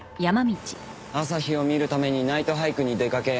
朝日を見るためにナイトハイクに出かけ